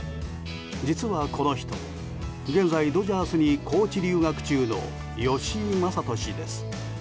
実はこの人、現在ドジャースにコーチ留学中の吉井理人氏です。